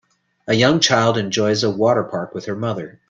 A young child enjoys a water park with her mother.